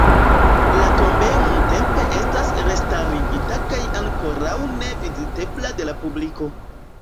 La tombejo nuntempe estas restarigata kaj ankoraŭ ne vizitebla de la publiko.